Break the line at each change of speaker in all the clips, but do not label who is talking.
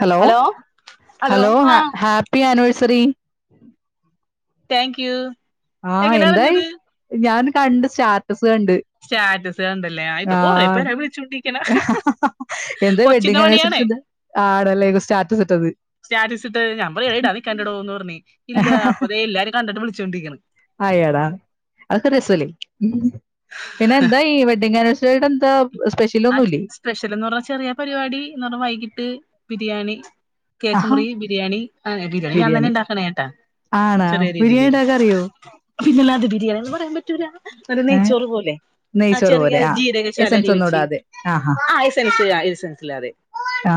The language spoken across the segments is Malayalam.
ഹലോ ഹലോ ഹ ഹാപ്പി ആനിവേഴ്സറി. [unintelligible]
Thank you.
ആ എന്തായി ഞാന് കണ്ടു സ്റ്റാ
സ്റ്റാറ്റസ് കണ്ടല്ലേ ആ ഇപ്പൊ കൊറെ പേരാ വിളിച്ചോണ്ടിരിക്കണെ
എന്താ
കൊച്ചിന്റെ
വെഡിങ് ആനിവേഴ്സറി
പണിയാണേ
ഇത് ആണല്ലേ സ്റ്റാറ്റസ് ഇട്ടത്
സ്റ്റാറ്റസിട്ടത് ഞമ്മള് യ്ടാൻ നിക്കണ്ടടോന്നു പറഞ്ഞ്. ഇല്ല അപ്പൊ ദേ എല്ലാരും കണ്ടിട്ട് വിളിച്ചോണ്ടിരിക്കണ്
അയ്യടാ അതൊക്കെ രെസല്ലേ. പിന്നെ എന്തായി വെഡിങ് ആനു ചേരെന്താ
ആ സ്പെഷ്യൽ എന്ന് പറഞ്ഞാ ചെറിയ പരിപാടി എന്ന് പറഞ്ഞാ വൈകിട്ട് ബിരിയാണി കേക്ക്
ആഹാ
മുറി ബിരിയാണി അങ്ങനെ ബിരിയാണി ഞാൻ തന്നെ ഉണ്ടാക്കണ ഏട്ടാ
ആണാ
ചെറിയ
ബിരിയാണി
രീതില്
ഉണ്ടാക്കാൻ അറിയോ
പിന്നല്ലാതെ ബിരിയാണിന്ന് പറയാൻ പറ്റൂല അത്
ഏ
നെയ്ച്ചോറ് പോലെ ആ
നെയ്ച്ചോറ്
ചെറിയ
പോലെ ആ
ജീരകശാല
എസൻസ്
അരി
ഒന്നും
വെച്ച്
ഇടാതെ ആഹാ
ആ ഐസെൻസ് ഐസെൻസ്സ്ലാതേ
ആ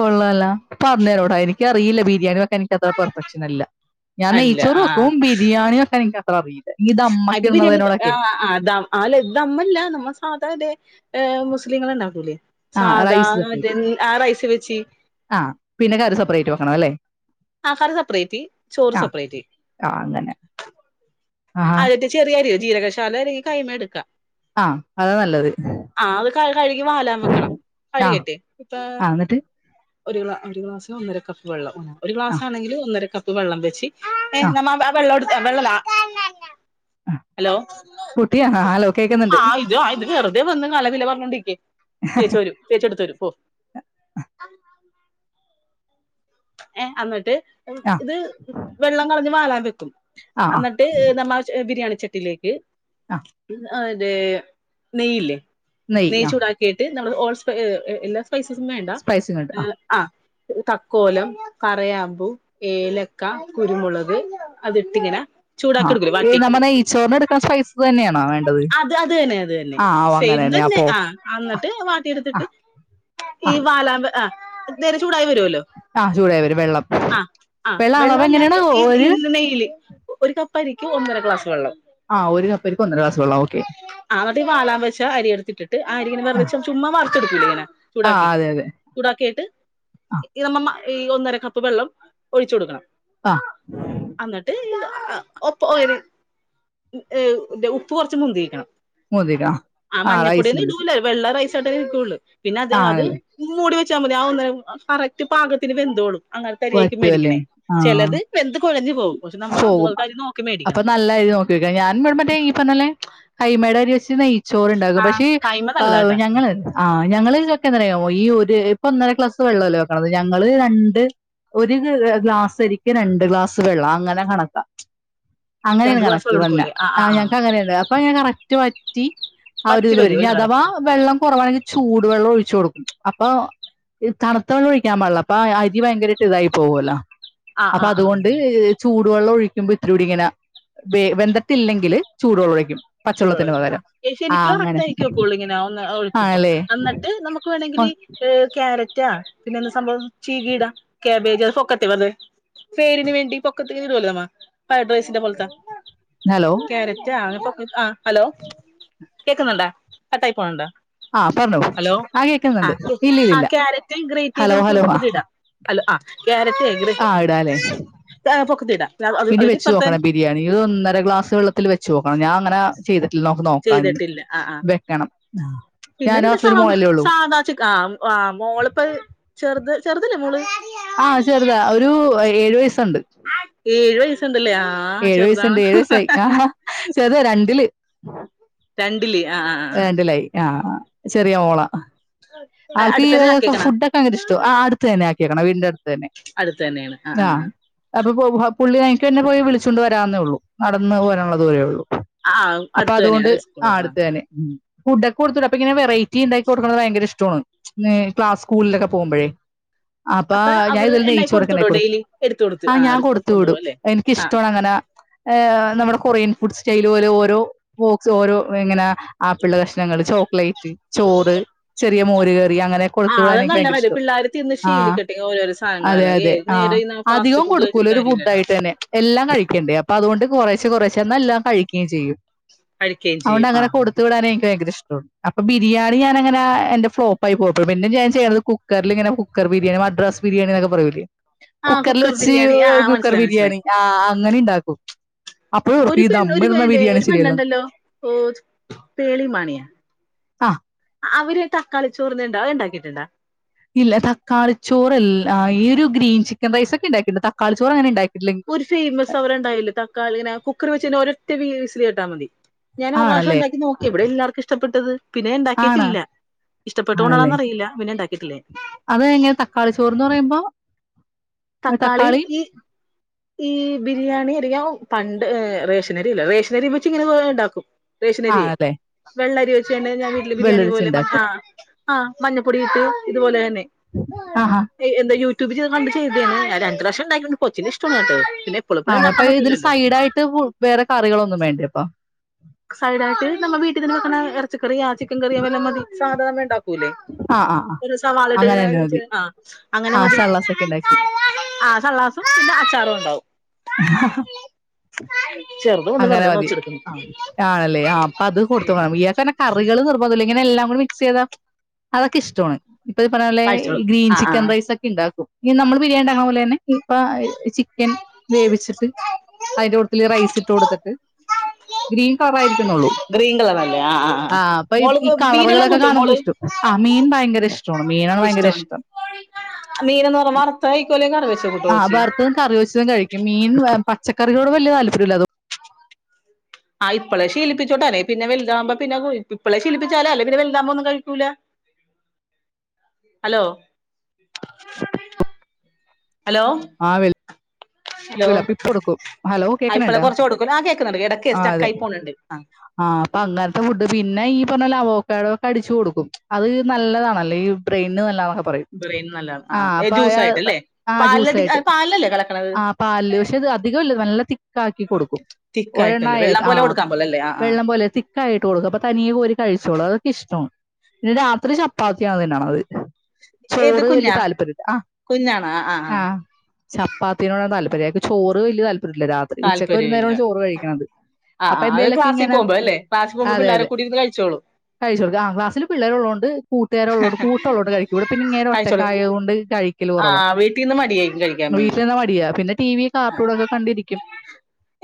കൊള്ളാല്ല പറഞ്ഞരോടായി ഇക്കി അറിയില്ല ബീരിയാന എനിക്ക് അതാ പെർഫെക്ഷൻനല്ല ഞാൻ
അല്ല
നെയ്ച്ചോറ്
ആ
വെക്കും ബിരിയാണി വെക്കാൻ ഇ റബ്
അത് ബിരിയാണിൽ പ യാ അത് ആ ആല് ഇതമ്മല്ല നമ്മൾ സാതദേ ഏ മുസ്ലിങ്ങളെണ്ണാക്കൂലി
ആ റൈസ്
വെച്ച്
ആ പിന്നെ കറി സപ്പറേറ്റ് വെക്കണം അല്ലേ
ആ കറി സപ്പറേറ്റി ചോറ്
ആ
സപ്പറേറ്റി
ആ അങ്ങനെ ആ
അതിട്ട് ചെറിയരി ജീരകശാല അരി കൈമ എടുക്കാം
ആ അതാ നല്ലത്
ആ അത് ക കഴുകി വാലാം വെക്കണം
ആ
കഴുകിട്ടെ ഇപ്പോ
ആ എന്നിട്ട്
ഒരു ഗ്ലാ ഒരു ഗ്ലാസ് ഒന്നര കപ്പ് വെള്ളം ഒരു
ആ
ഗ്ലാസ് ആണെങ്കിൽ ഒന്നര കപ്പ് വെള്ളം വച്ചി ഏ [unintelligible] എ
ആ
വെള്ളമാ
ആ
ഹലോ
കുട്ടി ആ ഹലോ കേൾക്കുന്നുണ്ട്
ആ ഇത് വെറുതെ വന്ന് കല വില പറഞ്ഞോണ്ട് ട്ട്യേ തേച്ച് വരും തേച്ച് എടുത്ത് വരും പോ [inaudible] ഏ അന്നിട്ട്
ആ
ഇത് വെള്ളം കളഞ്ഞ് വാലാൻ വെക്കും
ആ ആ
അന്നിട്ട് നമ്മച്ച ബിരിയാണി ചട്ടിലേക്ക്
ആ
[unintelligible] ആ തെനെയ്യ് ല്ലേ
നെയ്യ്
നെയ്
ആ
ചൂടാക്കിയിട്ട് നമ്മൾ ഓൾ സ്പയേർ എ എല്ലാ പൈസസ് വേണ്ട
സ്പൈസിങ് ഉണ്ട്
ഏ ആ ഇത്തക്കോലം കറയാമ്പൂ ഏലക്ക കുരുമുളക് അത്ട്ടിങ്ങനെ
[unintelligible] അത് തന്നെയണ വേ
അത് അത് തന്നെ അത് തന്നെ സെയിം തന്നെ
അപ്പൊ
ആ
ഓക്കെ
ന്നിട്ട്
ആ
വാട്ടിയെടുത്തിട്ട് ഈ
ആ
വാലാമ്പ ആ നേരെ ച ഉൂടായി വ
ആ ചൂടായി വരും വെള്ളം
അഅ
വെള്ളം അളവ്
വെള്ളല്ല
എങ്ങനെയാണ്
ഈ
ഒരു
ഇ നെയ്യില് ഒരു കപ്പ് അരി ഒന്നര ക്ലസ് വള്ളം
ആഹ ഒരുകപ്പ്ക്ക് ഒന്നര ക്ലാസ്
ആന്നട്ട് വാാലാൻ വെച അരി എടുത്തിട്ടിട്ട് ആ അരി ന്ന് റിച്ച ചുമ്മവറുത്ത് ടുക്കൂലെ ഇങ്ങനെ
ആ
ചൂടാക്കി
അതെ അതെ
ചൂടാക്കിട്ട്
ആ
യമ്മ മ്മ ഈ ഒന്നര കപ്പ് വെള്ളം ഒഴിച്ച കൊടുക്കണം
ആ
അന്നിട്ട് ആ ഒപ്പ ഒരു ഉപ്പ് കുറച് മുന്തിരിക്കണം
മൂതിക ആഹ് റൈസ്ില മക്ക്
തടവിക്കോള് പിന്നെ അത് അത് മൂടി വെ ഒ കറക്റ്റ് പാകത്തിന് വെന്തോളും അങ്ങനെ തരിായിക്കും
പറ്റുമല്ലേ
മേടിക്കണേ
ആ
ചിലത് വെന്ത് കുഴഞ്ഞു പോകും പക്ഷെ നമ്മ
പോകും
അതുപോലത്തെ അരി നോക്കി
അപ്പൊ
മേടിക്കണം
നല്ലായിത് നോക്കി വക്ക ഞാൻ ഇടെ മറ്റേ ഈ പറഞ്ഞല്ലേ ആയി മാേടറി അസി ന ചോറണ്ടാകും
ആ
പക്ഷേ
കൈമ
ആ
നല്ലതാട്ടാ
ഞങ്ങള് ആ ഞങ്ങൾക്കെ എന്തറയാമോ ഈ ഒരു ഇപ്പൊ ഒന്നര ഗ്ലാസ് വെള്ളമല്ലോ വെക്കത് ഞങ്ങള് രണ്ട് ഒരു ഗ്ലാസ്സരിക്കക്ക് രണ്ട് ഗ്ലാസ് ള്ളോ അങ്ങനെ കണക്കാം അങ്ങനെയാണ്
രണ്ട് ഗ്ലാസ്
കണക്ക്
വെള്ളം
വന്ന
എടുക്കൂലേ
ആ ഞങ്ങക്ക് അങ്ങനെയണ്ട് അപ്പൊ ഞൻ ക റ്റവത്തി ആ ഒരു
വറ്റി
ഇതില് വര
വരും
അഥവാ
കറക്റ്റ്
വെള്ളം കുറവാണെങ്കിൽ ചൂട് വെള്ളം ഒഴിച്ചു കൊടുക്കും അപ്പൊ തണുത്ത വെള്ളം ഒഴിക്കാൻ പാടില്ല അപ്പൊ അരി ഭയങ്കരമായിട്ട് ഇതായി പോകുവല്ലോ
ആ ആ ആ ആ
ചൂടുവെള്ളം ഒഴിക്ക ഇത്ര കൂടി ഇങ്ങനെ വെ വെന്തിട്ടില്ലെങ്കിൽ ചൂട് വെള്ളഴിക്കും
ചൂട വെള്ളഴിക്ക്ആ ശരിക്ക് കറക്റ്റ് ആയിരിരിക്കുംമ്പഴ് ഒഴിക്കുമ്പോ
ആണല്ലേ
എന്നിട്ട് നമുക്ക്
ഓ,
വേണമെങ്കില് ക്യാരറ്റ് പിന്നെ സംഭവം ചീകീടാ കേബേജ്അ പേരിന് വേണ്ടി പൊക്കത്ത ഫ്രൈഡ് റൈസിന്റെ പോലത്തൊ
ഹലോ
കാരറ്റ് ആന പ ആ ഹലോ കേൾക്കുന്നുണ്ടോ കട്ടായി പോണണ്ടോ
ആ പറഞ്ഞോ
ഹലോ ആ
കേൾക്കുന്നുണ്ട് ഇല്ല ഇല്ല
ആ
ഇല്ല
ക്യാരറ്റ് ഗ്രേറ്റ് ചെയ്ത് നമുക്ക് പൊക്കുതി ഇടാം ഹലോ ആ ക്യാരറ്റ്
ആഹ ഇടല്ലേ
പൊക്കത്തി ഇടാം
ഇനി
അതിന്റെ
വെച്ച്ു
ഇപ്പറത്തെ
നോക്കണം ബിരിയാണി ഇത് ഒന്നര ഗ്ലാസ് വെള്ളത്തിൽ വെ ഇന്ന്
ചെയ്ത്ട്ടില്ല ആ ആ
വെക്കണം
പിന്നെ
ഞാനും
പിന്നെ സാ
ഹസ്ബൻഡ് മോളല്ലേ ഉള്ളൂ
സാധാ ആ ആ മോള്പ്പോ ചെർത് ചെർതല്ലേ മോള്
ആ ചെർതാ ഒരു ഏഴു വയസ്
ഏയ്‌ വയ
ഏഴു വയസ്സ്ണ്ട് ഏഴു വയസ്സായി ആ ഹാ ചെറ് രണ്ടില്
തൻ [unintelligible] ആ ആ
രണ്ടിലായി ആ ചെറിയ മോളാ
ആ
ആൾക്ക് ഈ
അടുത്തന്നെ ആക്കിയേക്കണ
ഫുഡോക്കെ ഭയങ്കര ഇഷ്ടാ ആ അടുത്ത് തന്നെ ആക്കിക്ണ് വീടിന്റെ അടുത്ത് തന്നെ ആ അപ്പൊ പുള്ളി എൻക്ക് തന്നെ പോയി വിളിച്ചു കൊണ്ട് വരാവുന്നേ ഒള്ളൂ നടന്ന് പോരാനുള്ള ദൂരെ ഒള്ളൂ
ആഹ അടുത്ത്തന്നെയാണ് സ്കൂള് തുറക്ക്ണ
ഉം ഫുഡ് ഒക്കെ കൊടുത്ത് വിടാഅപ്പൊ ഇങ്ങനെ വെറൈറ്റി ഇണ്ടാക്കി കൊടുക്കണത് ഭയങ്കര ഇഷ്ടമാണ് ന്നേ ക്ലാസ് സ്കൂളിലൊക്കെ പോക്മ്പഴേ അപ്പ
അപ്പൊ
ഞാൻ
അവിടെ
ഇതിൽ
എണ്ണായി
നെയ്ച്ചോറക്കെ
കൊടുത്തു വിടോ
ഇണ്ടാക്കിക്കൊടു
ഡെയിലി എടുത്തു കൊടുത്തു
ആ ഞാൻ കൊടുത്ത
കൊണ്ടുപോകും
വിടും
അല്ലേ ആ
എനിക്കിഷ്ടമാണ് അങ്ങനെ എ് നമ്മുടെ കൊറിയൻ ഫുഡ് സ്റ്റൈൽ പോലെ ഓരോ ബോക്സ് ഓരോ ഇങ്ങനെ ആപ്പിള് കഷ്ണങ്ങൾ ചോക്ലേറ്റ് ചോറ് ചെ റിയ മോരുകറി റി അങ്ങനെ
ആ അത്
കൊടുത്തുവിടാൻ
നല്ല കാര്യം
ഇഷ്ട്യാ
പിള്ളേർ തിന്ന്
ആ
ശീലിക്കട്ടെ ഓരോരോ
അതെ
സാധനങ്ങളല്ല ഏത്
അതെആ
നേരം ഈ ഫാസ്റ്റ്
അധികം
ഫുഡ്
കൊടുക്കൂല
കഴിച്ചിട്ട്
ഒരു ഫുഡ്
കാര്യമില്ലല്ലോ
ആയിട്ട് തന്നെ എല്ലാം കഴിക്കേണ്ടെ അപ്പോ അതുകൊണ്ട് കുറേശ്ശെ റച്ചെ കുറെച്ച ന്നെല്ലാം കഴിക്കുകയും ചെയ്യും
പഠിക്കയും ചെയ്യും ആഹ
ഇടാനെ ഇൻക്ക് ഭയങ്കര ഇഷ്ടൊണ് അപ്പൊ ബിരിയാണി ഞാനങ്ങനെ എന്റെ ഫ്ളോപ്പായി പോയപ്പോ പിന്നെ ഞാൻ ചെയ്യുന്നത്കുക്കറിൽങ്ങന കുക്കർ ബിരിയാണി മദ്രാസ് ബിരിയാണി എന്നൊക പറയൂലേ
ആ
കുക്കർൽ
കുക്കർ
വെച്ചി
ബിരിയാണി ആ
കുക്കർ
മനസ്സിലായി
ബിരിയാണി
മനസ്സിലായി
ആ ആ അങ്ങനിം ഇണ്ടാക്കും അപ്പഴും
ഒരു
ഓർക്കും ഈ
പെണ്ണ്
ദമ്മിടുന്ന
ഒരുപെ
ബിരിയാണി
ഒരു
ശരിയല്ലെന്ന്.
പെണ്ണ്ണ്ടല്ലോ ഓത് പേളി മാണിയാ
ആഹ്
അവര് തക്കാളിച്ചോർന്ന്ണ്ടാവ ഇണ്ടാക്കിട്ടുണ്ടാ
ഇല്ല തക്കാളി ചോറല്ല ഈയൊരു ഗ്രീൻ ചിക്കൻ റൈസ് ഒക്കെ ഉണ്ടാക്കിട്ടുണ്ട് തക്കാളി ചോറ് അങ്ങനെ ഇണ്ടാക്കി
ഒരു ഫേമസ് അവർ ഉണ്ടായില്ലേ തക്കാളിങ്ങനെ കുക്കർ വെച്ചിട്ട് ഓൽ ഒറ്റ വി വിസല് കേട്ടാ മതി ഞാൻ ഒറു പ്രാവശ്യം
ആണല്ലേ?
ഒണ്ടാക്കി നോക്കി ഇവിടെ എല്ലാർക്കും ഇഷ്ട ഇഷ്ടപ്പെട്ടത് പിന്നെ
ആണ്.
ഇണ്ടാക്കിയിട്ടില്ല
ആണല്ലേ?
ഇഷ്ടപ്പെട്ടുകൊണ്ടാണന്ന് അറിയില്ല പിന്നെണ്ടാക്കി വീട്ടില്
അത് എങ്ങനെ തക്കാളി ചോറ്ന്ന് പറയുമ്പോ
തക്കാളിയും
തക്കാളി
ഈ ഈ ബിരിയാണിയരിയും പ ഏ റേഷനരിയല്ല റേഷനരി വെച്ച് ഇങ്ങനെ [unintelligible] ഇണ്ടാക്കും റേഷനരിയേ
ആണല്ലേ?
വെള്ളരി വെച്ചന്നെ ഞാൻ വീട്ടില് ബിരിയാണി
വെള്ളരിച്ച
പോലെ മ ആ
ഇണ്ടാക്കും.
ആ മഞ്ഞപ്പൊടിയിട്ട് ഇതുപോലെ തന്നെ
ആഹാ!
എന്ത യൂട്യൂബ് ചെ ഇത് എങ്ങാനായാലുംആദ്യത്തെ പ്രാശ്യം ഇണ്ടായിട്ട്ണ്ട് കൊച്ചിന് ഇഷ്‌ടും [inaudible]
ആണ് അപ്പൊ ഇതിന് സൈടായിട്ട് കു വേറെ കറികളൊന്നും വേണ് എളുപ്പാ
സൈഡായിട്ട് നമ്മ വീട്ടി തന്നെ വെക്ക്ണ എറച്ചിക്കറിയാ ചിക്കൻ കറിയാ വല്ലോ മതി സാധാരണ ണ്ടാ
ആ, ആ, ആ.
ഒരു സവാളിട്ട്
അങ്ങനെ
ഇങ്ങനെ
തന്നെ മതി.
[unintelligible] അങ്ങനെ
ആ
മതി
സള്ളാസൊക്കെ ഇണ്ടാക്കി.
ആ സള്ളാസും പി അച്ചാറും ഒണ്ടാവും ചെറ്ത് വന്ന്
അങ്ങനെ
വെറുതെ
മതി.
ഒന്നൊച്ചെട്ക്കുന്നു ആ
ആണല്ലേ ആ അപ്പ അത് കൊടുത്തോ ഇയാകാങ്ങനെ കറികള് നിർബന്ധംല്ല ഇങ്ങനെ എല്ലാം [unintelligible] മിക്സ് ചെയ്താ അതൊക്കെ ഇഷ്ടാണ് ഇപ്പൊ ഇത് പറഞ്ഞോലെ
കഴിച്ചോളും
ഗ്രീൻ
ആ
ചിക്കൻ
ആ
റൈസൊക്കെണ്ടാക്കും ഈ നമ്മള് ബിരിയാണിണ്ടാക്കണ പോലെന്നെ ഇപ്പ ചിക്കൻ വേവിച്ചിട്ട് അതിന്റെ കൂട്ടത്തില് റൈസ് ഇട്ട് കൊടുത്തിട്ട് ഗ്രീൻ കളറായിരി ക്കുന്നുള്ളൂ
ഗ്രീൻ കളറല്ലേ ആ ആ ആ
ആഹ് അപ്പൊ ഈ
മോൾക്ക് മീനെല്ലാം
കളറുകളൊക്കെ
കൂട്ടോ
കാണുമ്പോ
മോള്
ഇഷ്ടം ആ മീൻ ഭയങ്കര ഇഷ്ടോണ് മീനാണ് ഭയങ്കര
ഇഷ്ടമാണ്
ഇഷ്ടം
മീനെന്ന് പറഞ്ഞ [unintelligible]
ആ
ചേച്ചി
വർത്തതും കറി വെച്ചതും കഴിക്കും മീൻ പച്ചക്കറികളോട് വല്ലാ താൽ പര്യല്ലാത്
ആ ഇപ്പളെ ശീലിപ്പിച്ചോട്ടോ അല്ലേ പിന്നെ വലുതാകുമ്പോ പിന്നെ ഇപ്പളെ ശീലിപ്പിച്ചാല അല്ലേ പിന്നെ വലുതാവുമ്പൊന്നും കഴിക്കൂല ഹലോ ഹലോ ഹലോ
[unintelligible] ടുക്കും ഹലോ
ആ ഇപ്പളെ
കേക്കണണ്ടാ
കുറച്ച് കൊടുക്കൂല ആ കേൾക്കുന്നുണ്ട് ഇടക്ക്
ആ അതെ
സ്റ്റക്കായി പോണുണ്ട് ആ
ആപ്പ അങ്ങനത്തെ ഫുഡ്ഡ് പിന്നെ ഈ ഇപ്പൊന്നല്ലെ അവൊക്കാടോക്കെ അടിച്ചു കൊടുക്കും അത് നല്ലതാണല്ല ഈ ബ്രെയിന് നല്ലതതാന്ന്
ബ്രെയിൻ നല്ലത ആ ജ്യൂസായിട്ടല്ലേ
ആ ജ്യൂസ്
പാലിലടി
ആയിട്ട്
പാൽലല്ലേ കലക്ക്ണത്
ആ പാല് ല് പക്ഷെ അത് അധികംല്ല നല്ല തിക്ക ആക്കി കൊടുക്കും ഒരെണ്ണ
തിക്കായിട്ടല്ലേ വെള്ളം
ആ
പോലെ കൊടുക്കാൻ പോലെ അല്ലേ ആ ആ
വെള്ളം പോലെ തിക്കായിട്ട് കൊടുക്കും അപ്പൊ തനിയെ കോരി കഴിച്ചോളും അതൊക്കെ ഇഷ്ടോണ് [unintelligible] രാത്രി ചപ്പാത്തി ആ തിന്നണത്
ഏത്
ചോറ് വല്യ
കുഞ്ഞാ
താല്പര്യല്ല ആ
കുഞ്ഞാണോ ആ ആ ആ
ആഹ് ചപ്പാത് ആണ് താല്പര്യം അയാക്ക് ചോറ് വല്യ താല്പ ര്യല്ല രാത്രി
താല്പര്യമില്ല
ഉച്ചക്കുഒരുനേരാണ് ചോറ് കഴിക്കണത്
ആ ആ
അപ്പൊ
അത്
എന്തേലൊക്കെ
ക്ലാസ്സിൽ
ഇങ്ങനെ
പോകുമ്പോ അല്ലേ ക്ലാസ്സിൽ പോകുമ്പോ
അതെ
പിള്ളേരെ
അതെ
കൂടി ഇരുന്ന് കഴിച്ചോളൂ
കഴിച്ചോളും ആ ക്ലാസില് പിള്ളേര് ഒള്ളോണ്ട് കൂട്ടുകാര്ഉള്ളോണ്ട് കൂട്ട്ഒള്ളോണ്ട് കഴിക്കും ഇവിടെ പിന്നെ ഇങ്ങേര് ഒറ്റക്ക്
കഴിച്ചോളൂ
ആയത് കൊണ്ട് കഴിക്കല്
ആ
കുറവാ
വീട്ടിൽ നിന്ന് മടിയായിരിക്കും കഴിക്കാൻ
[unintelligible] വീ
വേണ്ടി
മടിയ പിന്നെ ടി വി കാർട്ടൂണൊക്കെ കണ്ടിരിക്കും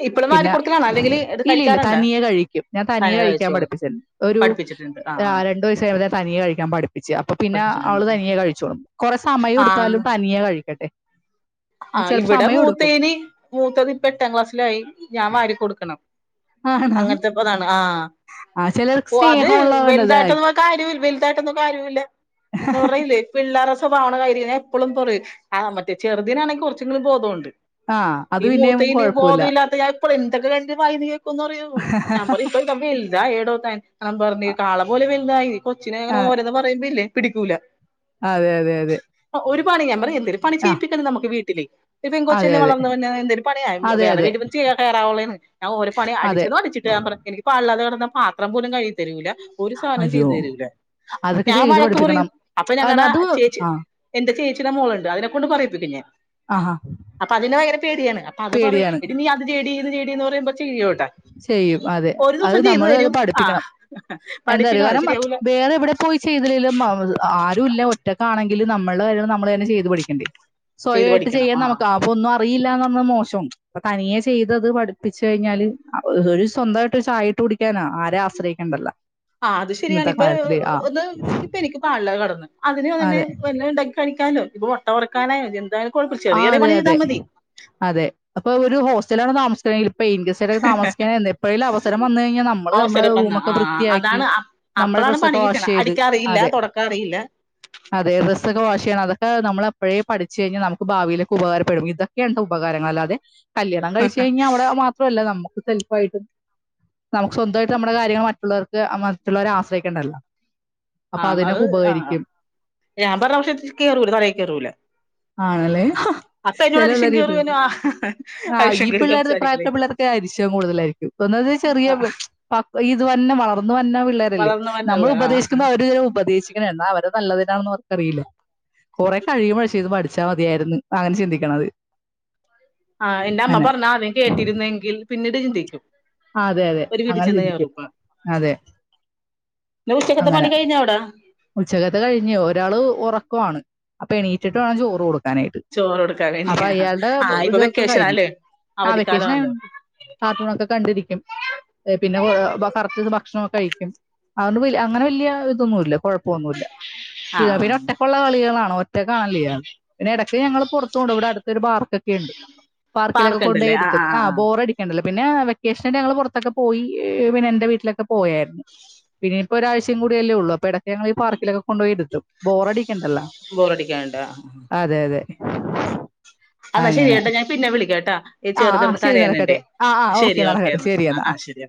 ഇപ്പോഴും വാരി
പിന്നെ
കൊടുക്കലാണോ അല്ലെങ്കിൽ ഇത്
ഇല്ലില്ല
കഴിക്കാറുണ്ടോ
തനിയെ കഴിക്കും ഞാൻ തനിയെ
തന്നെ
കഴിക്കാൻ
കഴിച്ചോളൂ
പഠിപ്പിച്ച്ണ്ട് ഒരു
പഠിപ്പിച്ചിട്ടുണ്ട് ആ ആ
രണ്ടു വയസ്സ് ആയപ്പ തന്നെ തനിയെ കഴിക്കാൻ പഠിപ്പിച്ചു അപ്പൊ പിന്നെ
പഠിപ്പിച്ചിട്ടുണ്ട്
അവള് തനിയെ കഴിച്ചോളും കൊറെ സമയം
ആ
എടുത്താലും തനിയെ കഴിക്കട്ടെ
ആ
ചിലപ്പോ
ഇവിടെ
സമയം എടുക്കും
മൂത്തേന് മൂത്തത് ഇപ്പ എട്ടാം ക്ലാസ്സിലായി ഞാൻ വാരി കൊടുക്കണം
ആണോ
അങ്ങനത്തെപ്പോ അതാണ് ആ
ആ ചിലർക്ക്
ഓ അത്
സ്നേഹമുള്ള വേണ്ടത്
വലുതായിട്ടൊന്നും കാര്യവൂല്യ വലുതായിട്ടൊന്നും കാര്യവൂല്യ നിറയില്ലേ പിള്ളേ സ്വഭാവാണ് കൈയില് ഞാൻ എപ്പോളും പറയും ആ മറ്റേ ചേർ ഇതിനാണെങ്കില് കൊറച്ചെങ്കിലും ബോധോണ്ട്
ആഹ് അത്
ഈ
പിന്നെയും
മൂത്തേന്
കൊഴപ്പൂല്ല.
ബോധം ഇല്ലാത്ത ഞാൻ ഇപ്പള എന്തൊക്കെ എന്റെ വായിന്നു കേൾക്കുംന്ന് അറിയാവോ ഞാൻ പറ [unintelligible] ഇവൻ വലുതായടോ [unintelligible] പറഞ്ഞ് കാള പോലെ വരും എന്തായി കൊച്ചിനെ അങ്ങനെ
ആഹ്
ഓരോന്നു പറയുമ്പില്ലേ പിടിക്കൂലാ.
അതെ അതെ അതെ.
ഒരു പണി ഞാൻ പറയും പിന്നെ പണി
ആഹ്
ചെയ്യിപ്പിക്കുമ്പോ ഇല്ല്യേ നമുക്ക് വീട്ടിലേക്ക് ഇപ്പോ
അതെ
പെൺകൊച്ചല്ലേ
അതെ
വളർന്ന് വരണേ എന്തെങ്കിലും പണിയായി
അതെ
വേറെ
അതെ
വീട്ടിൽ പോയി ചെന്ന് കേറാനുള്ളതാണ് ഞാൻ ഓരോ പണി
അതെ
അടിച്ച് തുടച്ചിടാൻ പറഞ്ഞു [unintelligible] കിടന്നാ പാത്രം പോലും കഴികി തരൂലാ. ഒരു സാധനം ചെയ്തു
അയ്യോ
തരില്ല
അതൊക്കെ
ഞാൻ
ചെയ്ത്
വഴക്ക് പറയും
പഠിപ്പിക്കണം
അപ്പോ
അത്
ഞങ്ങളുടെ
അത്
ചേച്ചി
ആഹ്
എന്റെ ചേച്ചി ടെ മോളിണ്ട് അതിനെക്കൊണ്ട് പറയി ക്കും ഞാൻ.
ആഹാ
അപ്പോ അതിന് ഭയങ്കര പേടിയാണ് അപ്പോ അത് പറയും
പേടിയാണ്
എടി നീ അത് ചെയ്യെടീ ഇത് ചെയ്യടീന്നു [unintelligible]
ചെയ്യും അതെ അത്
ചെയ്തു
നമ്മള് അത്
തരും ആ
പഠിപ്പിക്കണം എന്താ അറിയോ
പഠിപ്പിക്കണം അത്
കാരണം
ശരിയാവൂല
വേറെ എവിടെ പോയി ചെയ്തില്ലേലും ആരും ഇല്ല ഒറ്റക്കാണെ ങ്കിലും നമ്മടെ കാര്യങ്ങള് നമ്മൾ തന്നെ ചെയ്ത് പഠിക്കണ്ടേ
ചെയ്ത്
സ്വയായിട്ട്
പഠിക്കണം
ചെയ്യാൻ
ആ
നമുക്ക് അപ്പോ ഒന്നും [unintelligible] അറിയിലാന്ന് പറയണ മോശമാണ് അപ്പോ തനിയെ ചെയ്തത് പഠിപ്പിച്ചു കഴിഞ്ഞാല് ഒരു സ്വന്തമായിട്ട് ഒരു ചായയിട്ട് കുടിക്കാനാ ആരെയും ആശ്രയിക്കേണ്ടല്ലാ.
ആ അത് ശരിയാണ് ഇപ്പൊ ഒന്ന് ഇപ്പ എനിക്ക് പാടില്ല കടന്ന്
അതെ
അതിനന്നെ വല്ലതും ഉണ്ടാക്കി കഴിക്ക- കഴിക്കാലോ ഒരു മുട്ട വറക്കാനാ എന്തായാലും കുഴപ്പമില്ല
ആ
ചെറിയ ചെറിയ
അതെ
പണി
അതെ
ചെയ്താൽ മതി
അതെ അപ്പൊ ഒരു ഹോസ്റ്റലാണ് താമസ [unintelligible] പെയിൻ ഗസ്റ്റ് ഒക്കെ താമസിക്ക എപ്പോഴലും അവസരം വന്ന കഴിഞ്ഞാൽ നമ്മള് നമ്മുടെ
അവസരം വന്ന
റൂമ ഒക്കെ
ആ
വൃത്തിയാക്കി
അതാണ്
നമ്മുടെ
അപ്പളാണ് പണി
ഡ്രസ്സ്ഓക്കെ വാഷ്
കിട്ടണെ
ചെയ്ത്
അടിക്കാറിയില്ല
അതെ
തുടക്കാറിയില്ല
അതെ ഡ്രസ്സൊക്കെ വാഷ് ചെയ്യണം അത നമ്മ എപ്പോഴേ പഠിച്ചു കഴിഞ്ഞാൽ നമു ഭാവിയിലൊക്കെ ഉപകാരപ്പെടും ഇതൊക്കെയാണ് ഉപകാരങ്ങൾ അല്ലാതെ കല്യാണം കഴിച്ച് കഴിഞ്ഞാ അവിടെ മാത്രമല്ല നമ്മ സെഫായിട്ടും നമുക്ക് സ്വന്തമായിട്ട് നമ്മുടെ കാര്യങ്ങൾ മറ്റുള്ളവർക്ക് മറ്റുള്ളവരെ ആശ്രയിക്കണ്ടല്ലോ
ആ
അപ്പൊ
അത്
അതിനൊക്കെ
ആ
ഉപകരിക്കും.
ഞാൻ പറഞ്ഞാശ്യംത്തിൽ കയറൂല തലയിൽ കയറൂല
ആണല്ലേ ഹ ചെല പിള്ളേര്
ആ
ആ
അരിശം
ഈ
കേറി
പിള്ളേരു പ്രായത്തില
സംസാരിക്കലേക്കും
പിള്ളേർക്ക് അരിശം കൂടുതലായിരിക്കും ഒന്നാമത് ചെറിയ
ആ
ഇത് വന്ന വളർന്ന വരുന്ന പിള്ളേരല്ലേ നമ്മൾ
വളർന്നവനല്ലേ ആ
ഉപദേശിക്കുമ്പോ അവര് ഇ ഉപദേശിക്കണാ എന്നാ അവര നല്ലതിനാണെന്ന് അവർക്കറിയില്ല കൊറെ കഴിയുമ്പഴേ ചെയ്ത് പടി ച്ചാ മതിയായിരുന്നു അങ്ങനെ ചിന്തിക്കണത്
ആ എന്റെ അമ്മ
അങ്ങനെ
പറഞ്ഞ ആദ്യം കേട്ടിരുന്നെങ്കിൽ പിന്നീട് ചിന്തിക്കും
ആ, അതെ അതെ
ഒരു വീട്
അങ്ങനെ ചിന്തിക്കും.
ചെന്നകേറുമ്പ
അതെ
പിന്നെ ഉച്ചക്കത്തെ പണി കഴിഞ്ഞോ അവിടെ
ഉച്ചകത്തേ കഴിഞ്ഞു ഒരാള് ഉറക്കമാണ് അപ്പൊ എണീറ്റിട്ട് വേണം ചോറ് കൊടു നായിട്ട്
ചോറ് കൊടുക്കാൻ
അപ്പൊ
വേണ്ടിയാ
അയാളുടെ
ആ ഇപ്പൊ
ഇതൊക്കെ
വെക്കേഷൻ
കഴിഞ്ഞു
അല്ലേ
ആ വെക്കേഷൻ
അവധിക്കാലമാല്ലോ
കാർട്ടൂണൊക്കെ കണ്ടിരിക്കും പിന്നെ കറക്റ്റ് ഭക്ഷണ കഴിക്കും അതുകൊണ്ട് അങ്ങനെ വല്ല്യ ഇതൊന്നുമല്ല കൊഴ ന്നുമില്ല
ആ
ഇത പിന്നെ
ആ
ഒറ്റക്കുള്ള കളികളാണോ ഒ [unintelligible] പിന്നെ ഇടക്ക് ഞങ്ങള് പുറത്തുണ് ഇവിടെ അടുത്ത ഒരു പാർക്ക് ണ്ട് പാർക്കിലൊക്കെ കൊണ്ടയിരിത്തും ആ ബോറടിക്കണ്ടല്ലോ പിന്നെ വെക്കേഷൻ ഞങ്ങള് പുറത്തൊക്കെ പോയി പിന്നെ എന്റെ വീട്ടിലൊക്കെ പോയായിരുന്നു പിന്നെയിപ്പോ ഒരാഴ്ച കൂടിയല്ലേ ഉള്ളു അപ്പ ഇട ഞങ്ങള് ഈ പാർക്കൊക്കെ കൊണ്ടുപോയിരിത്തും ബോറടി
ബോറടിക്കാനണ്ട ആ
അതെ അതെ
എന്നാ ശരി
അങ്ങനെ
ട്ടാ ഞാൻ പിന്നെ വിളിക്കട്ടാ ഈ
ആ
ചെറുത്
ആ
ന്ന്
ശരി
കരയണണ്ടേ
നടക്കട്ടെ ആ ആ
ശെരി
ഓക്കെ
ഓക്കേ
നടക്കട്ടെ
എന്നാ
ശരി
ആ ശരി